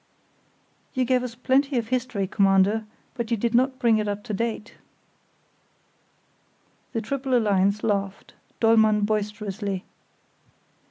"You gave us plenty of history, Commander, but you did not bring it up to date." The triple alliance laughed, Dollmann boisterously.